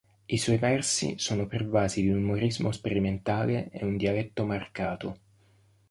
I suoi versi sono pervasi di un umorismo sperimentale e un dialetto marcato.